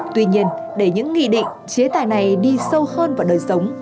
tuy nhiên để những nghị định chế tài này đi sâu hơn vào đời sống